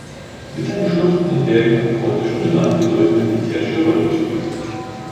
Mit seinen Schluchten und Bergen hat Corte schon immer eine bedeutende militärische Rolle gespielt.